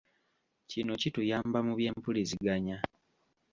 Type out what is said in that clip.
Kino kituyamba mu by'empuliziganya.